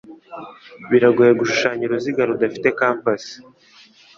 Biragoye gushushanya uruziga rudafite compas